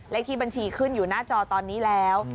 เลขที่บัญชีขึ้นอยู่หน้าจอตอนนี้แล้ว